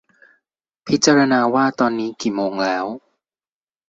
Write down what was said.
พิจารณาว่าตอนนี้กี่โมงแล้ว